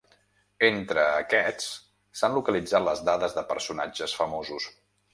Entre aquests s’han localitzat les dades de personatges famosos.